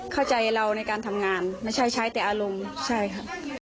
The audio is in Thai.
เข้าใจเราในการทำงานไม่ใช่ใช้แต่อารมณ์ใช่ค่ะ